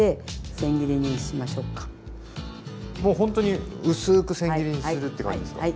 もうほんとに薄くせん切りにするって感じですか？